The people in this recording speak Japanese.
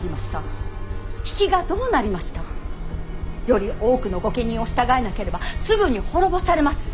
より多くの御家人を従えなければすぐに滅ぼされます。